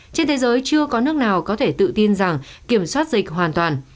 trên thế giới chưa có nước nào có thể tự tin rằng kiểm soát dịch hoàn toàn